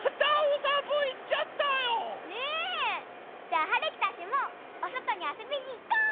じゃあはるきたちもおそとにあそびにいこう！